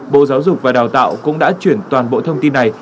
bộ giáo dục và đào tạo cũng đã chuyển toàn bộ thông tin này